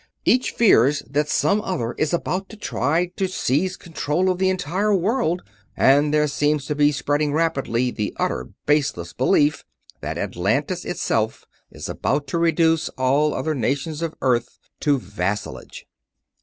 Each fears that some other is about to try to seize control of the entire world; and there seems to be spreading rapidly the utterly baseless belief that Atlantis itself is about to reduce all other nations of Earth to vassalage.